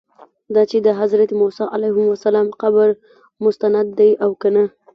دا چې د حضرت موسی علیه السلام قبر مستند دی او که نه.